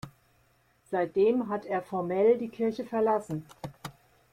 Seitdem hat er formell die Kirche verlassen.